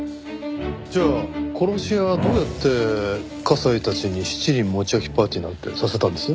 じゃあ殺し屋はどうやって加西たちに七輪餅焼きパーティーなんてさせたんです？